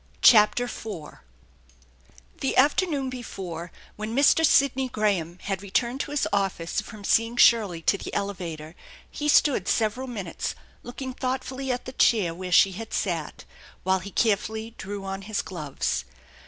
CHAPTER IV THE afternoon before, when Mr. Sidney Graham had re turned to his office from seeing Shirley to the elevator, he stood several minutes looking thoughtfully at the chair where she had sat, while he carefully drew on his gloves.